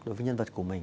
đối với nhân vật của mình